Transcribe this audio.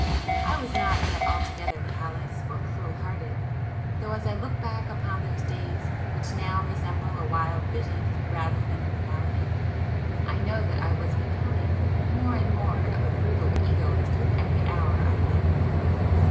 I was not yet altogether callous or cruel hearted, though as I [p 111] look back upon those days which now resemble a wild vision rather than a reality, I know that I was becoming more and more of a brutal egoist with every hour I lived.